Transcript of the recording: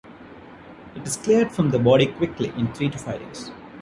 It is cleared from the body quickly, in three to five days.